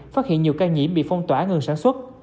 phát hiện nhiều ca nhiễm bị phong tỏa ngừng sản xuất